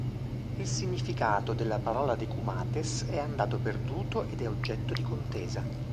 Il significato della parola "decumates" è andato perduto ed è oggetto di contesa.